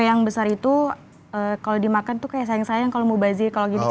yang besar itu kalau dimakan tuh kayak sayang sayang kalau mubazir kalau gini